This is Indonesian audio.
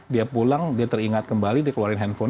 dia pulang dia teringat kembali dia keluarin handphone